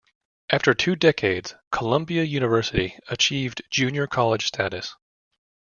After two decades, Columbia University achieved junior college status.